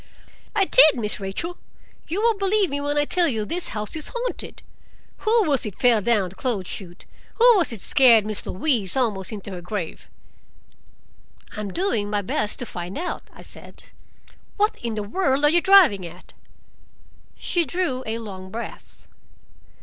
"I did; Miss Rachel, you won't believe me when I tell you this house is haunted. Who was it fell down the clothes chute? Who was it scared Miss Louise almost into her grave?" "I'm doing my best to find out," I said. "What in the world are you driving at?" She drew a long breath.